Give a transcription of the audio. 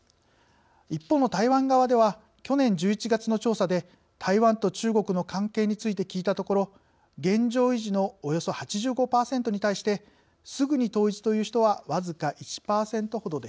一方の台湾側では去年１１月の調査で台湾と中国の関係について聞いたところ「現状維持」のおよそ８５％に対して「すぐに統一」という人は僅か１％ほどでした。